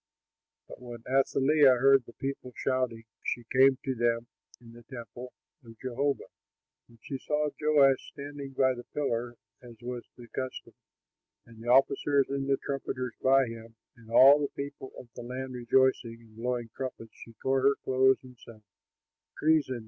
But when Athaliah heard the people shouting, she came to them in the temple of Jehovah. When she saw Joash standing by the pillar, as was the custom, and the officers and the trumpeters by him, and all the people of the land rejoicing and blowing trumpets, she tore her clothes and cried, "Treason!